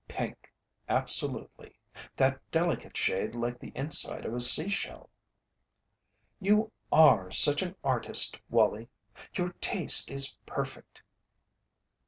"Pink, absolutely that delicate shade like the inside of a sea shell." "You are such an artist, Wallie! Your taste is perfect."